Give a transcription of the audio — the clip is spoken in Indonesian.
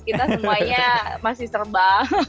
kita semuanya masih serba